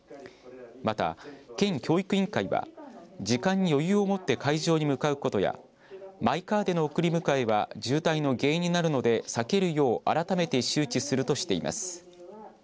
また、県教育委員会は時間に余裕を持って会場に向かうことやマイカーでの送り迎えは渋滞の原因になるので避けるよう改めて周知するとしています。